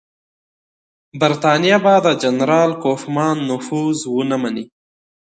برټانیه به د جنرال کوفمان نفوذ ونه مني.